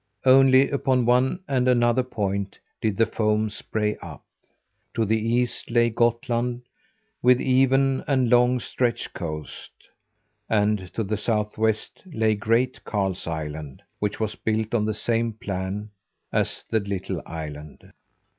Only upon one and another point, did the foam spray up. To the east lay Gottland, with even and long stretched coast; and to the southwest lay Great Karl's Island, which was built on the same plan as the little island.